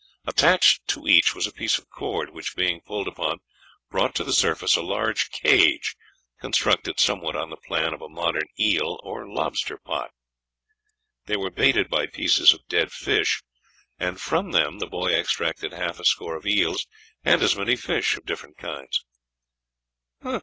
Attached to each was a piece of cord which, being pulled upon, brought to the surface a large cage, constructed somewhat on the plan of a modern eel or lobster pot. They were baited by pieces of dead fish, and from them the boy extracted half a score of eels and as many fish of different kinds.